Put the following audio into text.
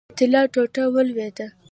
د طلا ټوټه ولوېده.